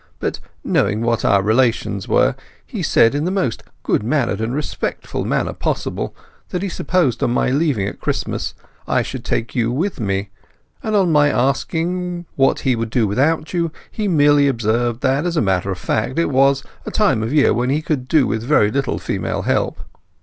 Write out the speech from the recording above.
But, knowing what our relations were, he said in the most good natured and respectful manner possible that he supposed on my leaving at Christmas I should take you with me, and on my asking what he would do without you he merely observed that, as a matter of fact, it was a time of year when he could do with a very little female help.